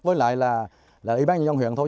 với lại là ủy ban nhân dân huyện thôi